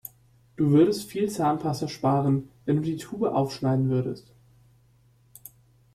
Du würdest viel Zahnpasta sparen, wenn du die Tube aufschneiden würdest.